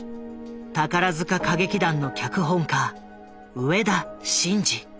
宝塚歌劇団の脚本家植田紳爾。